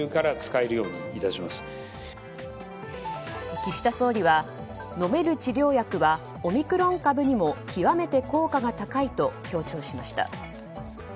岸田総理は飲める治療薬はオミクロン株にも極めて効果が高いと強調しました。